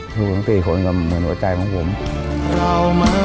ทุกครั้งตีคนก็เหมือนหัวใจของผม